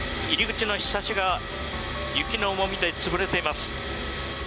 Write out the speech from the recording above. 入り口のひさしが雪の重みでつぶれています。